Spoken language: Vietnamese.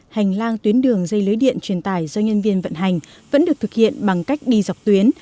trang tuyến đường dây lưới điện truyền tài do nhân viên vận hành vẫn được thực hiện bằng cách đi dọc tuyến